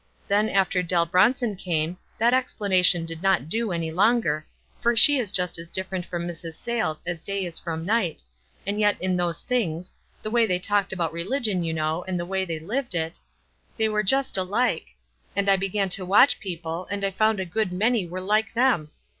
Then after Dell Bronson came, that explanation did not do any longer, for she is just as different from Mrs. Sayles as day is from night; and yet in those things — the way they talked about religion, you know, and the way they lived it — they were just alike ; and I began to watch people, and I found a good many were like them.